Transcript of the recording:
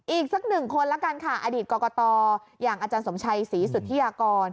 อีกสักหนึ่งคนละกันค่ะอดีตกรกตอย่างอาจารย์สมชัยศรีสุธิยากร